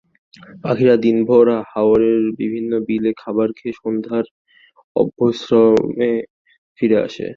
পাখিরা দিনভর হাওরের বিভিন্ন বিলে খাবার খেয়ে সন্ধ্যায় অভয়াশ্রমে ফিরে আসে।